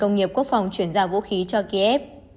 đồng nghiệp quốc phòng chuyển ra vũ khí cho kiev